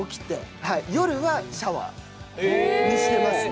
夜はシャワーにしてます。